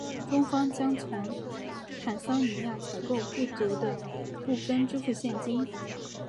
中方将为从坦桑尼亚采购的不足额部分支付现金。